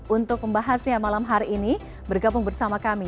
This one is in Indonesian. untuk membahasnya malam hari ini bergabung bersama kami